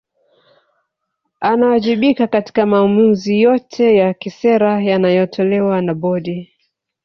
Anawajibika katika maamuzi yote ya kisera yanayotolewa na Bodi